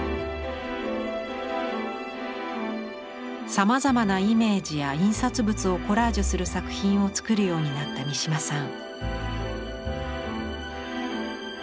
さまざまなイメージや印刷物をコラージュする作品を作るようになった三島さん。